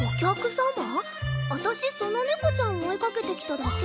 わたしそのネコちゃん追いかけてきただけで。